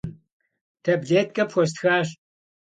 Таблеткэ пхуэстхащ.